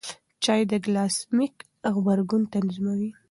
چای د ګلاسیمیک غبرګون تنظیموي.